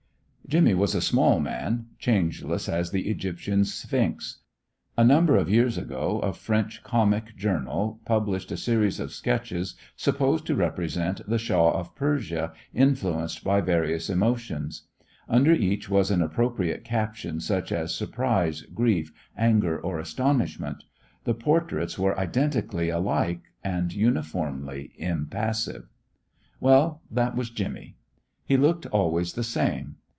Jimmy was a small man, changeless as the Egyptian sphinx. A number of years ago a French comic journal published a series of sketches supposed to represent the Shah of Persia influenced by various emotions. Under each was an appropriate caption, such as Surprise, Grief, Anger, or Astonishment. The portraits were identically alike, and uniformly impassive. Well, that was Jimmy. He looked always the same.